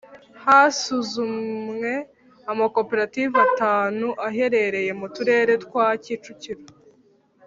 hasuzumwe amakoperative atanu aherereye mu turere twa kicukiro,